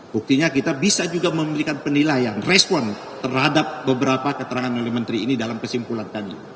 buktinya kita bisa juga memberikan penilaian respon terhadap beberapa keterangan oleh menteri ini dalam kesimpulan tadi